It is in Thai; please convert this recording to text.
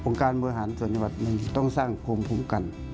องค์การบริหารส่วนจังหวัดมันต้องสร้างพรมพุมกัน